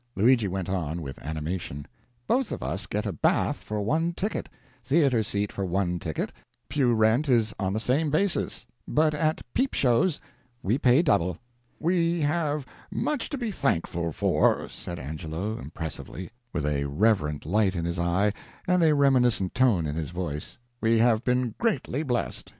Luigi went on, with animation: "Both of us get a bath for one ticket, theater seat for one ticket, pew rent is on the same basis, but at peep shows we pay double." "We have much to be thankful for," said Angelo, impressively, with a reverent light in his eye and a reminiscent tone in his voice, "we have been greatly blessed.